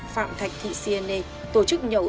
phạm thạch thị siene tổ chức nhậu